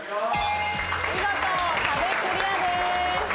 見事壁クリアです。